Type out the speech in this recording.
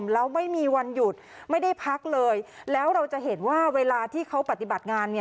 แล้วไม่มีวันหยุดไม่ได้พักเลยแล้วเราจะเห็นว่าเวลาที่เขาปฏิบัติงาน